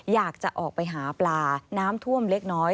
อยากจะออกไปหาปลาน้ำท่วมเล็กน้อย